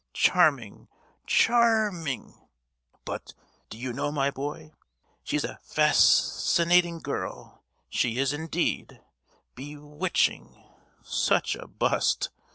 Charming—charm—ing! but, do you know, my boy,—she's a fas—cinating girl—she is indeed! be—witching! Such a bust!